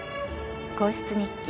『皇室日記』